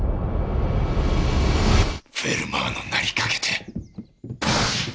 フェルマーの名にかけて！